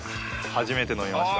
初めて飲みました。